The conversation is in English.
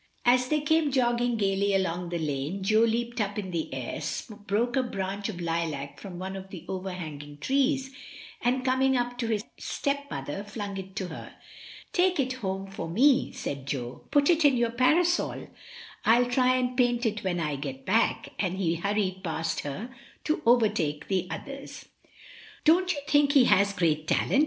As they came jogging gaily along the lane Jo leaped up in the air, broke a branch of lilac from one of the overhanging trees, and coming up to his stepmother flung it to her. "Take it home for me," said Jo; "put it in your parasol. FU try and paint it when I get back," and he hurried past her to overtake the others. "Don't you think he has great talent?"